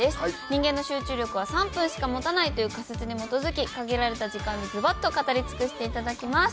人間の集中力は３分しか持たないという仮説に基づき限られた時間でズバッと語り尽くしていただきます。